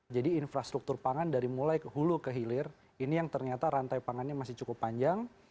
jadi infrastruktur pangan dari mulai hulu ke hilir ini yang ternyata rantai pangannya masih cukup panjang